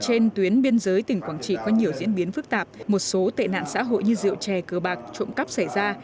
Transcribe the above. trong thời gian biên giới tỉnh quảng trị có nhiều diễn biến phức tạp một số tệ nạn xã hội như rượu chè cờ bạc trộm cắp xảy ra